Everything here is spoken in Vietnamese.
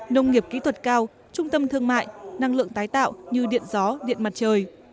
nông nghiệp kỹ thuật cao trung tâm thương mại năng lượng tái tạo như điện gió điện mặt trời